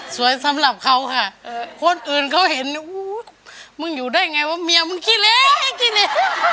สวยสำหรับเขาค่ะคนอื่นเขาเห็นมึงอยู่ได้ยังไงว่าเมียมึงกิเล๊กกิเล๊ก